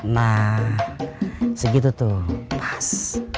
nah segitu tuh pas